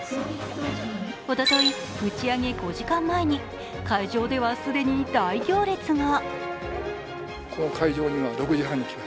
おととい、打ち上げ５時間前に会場では既に大行列が。